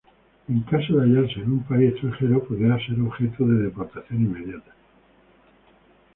En caso de hallarse en un país extranjero pudiera ser objeto de deportación inmediata.